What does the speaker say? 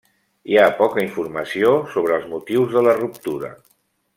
Hi ha poca informació sobre els motius de la ruptura.